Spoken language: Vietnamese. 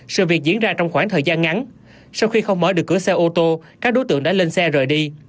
sự việc diễn ra trong khoảng thời gian ngắn sau khi không mở được cửa xe ô tô các đối tượng đã lên xe rời đi